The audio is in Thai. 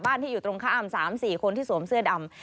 ที่อยู่ตรงข้าม๓๔คนที่สวมเสื้อดำ